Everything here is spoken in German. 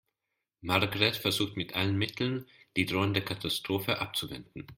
Margret versucht mit allen Mitteln, die drohende Katastrophe abzuwenden.